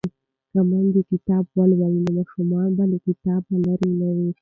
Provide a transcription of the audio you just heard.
که میندې کتاب ولولي نو ماشومان به له کتابه لرې نه وي.